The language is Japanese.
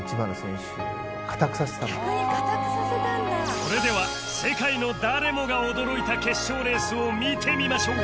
それでは世界の誰もが驚いた決勝レースを見てみましょう